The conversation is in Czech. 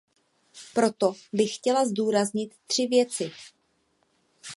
Proto bych chtěla zdůraznit tři věci.